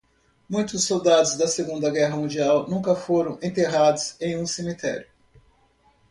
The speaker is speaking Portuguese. Muitos soldados da segunda guerra mundial nunca foram enterrados em um cemitério.